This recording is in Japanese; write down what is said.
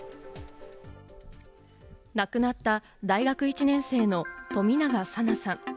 亡くなった、大学１年生の冨永紗菜さん。